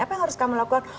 apa yang harus kamu lakukan